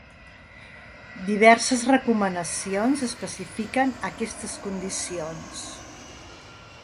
Diverses recomanacions especifiquen aquestes condicions.